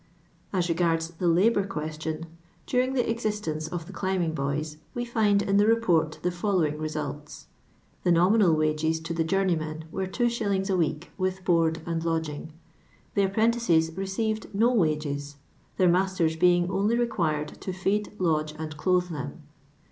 As regards the labour qnestlon, during the ex istence of the climbing boya, we find in the Report the following results :— The nominal wages to the jonmeymen were 2.*. a wefk, with board and lodging. The appren tices received no wages, their masters being only required to feed, lodge, and clothe them.